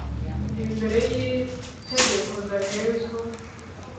imbere y’itegeko ndahezwa,